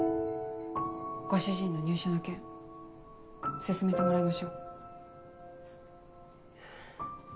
ご主人の入所の件進めてもらいましょう。